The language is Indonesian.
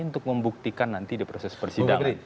untuk membuktikan nanti di proses persidangan